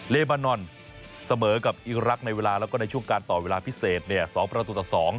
เลบานอนเสมอกับอีรักษ์ในเวลาแล้วก็ในช่วงการต่อเวลาพิเศษ๒ประตูต่อ๒